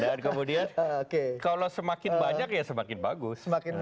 dan kemudian kalau semakin banyak ya semakin bagus